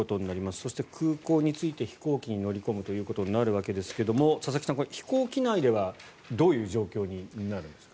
そして、空港に着いて飛行機に乗り込むということになるわけですが佐々木さん、飛行機内ではどういう状況になるんですか？